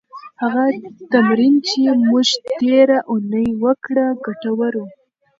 هغه تمرین چې موږ تېره اونۍ وکړه، ګټور و.